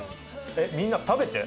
えっみんな食べて。